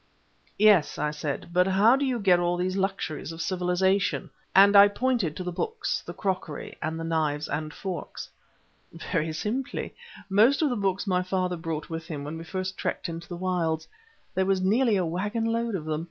"Yes," I said, "but how do you get all these luxuries of civilization?" and I pointed to the books, the crockery, and the knives and forks. "Very simply. Most of the books my father brought with him when we first trekked into the wilds; there was nearly a waggon load of them.